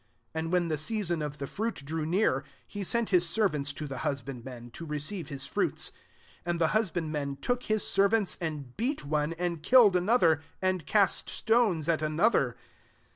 34 And when the season of the fruit drew near, he sent his servants to the hus bandmen, to receive his fruits* 35 And the husbandmen took his servants, and beat one and killed another, and cast stones at another.